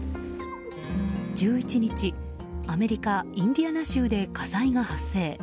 １１日、アメリカインディアナ州で火災が発生。